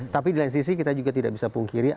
tapi di lain sisi kita juga tidak bisa pungkiri